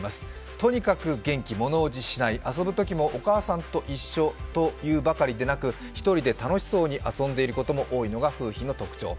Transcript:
とにかく元気、物おじしない、遊ぶときもお母さんと一緒というばかりでなく、１人で楽しそうに遊んでいることも多いのが楓浜の特徴。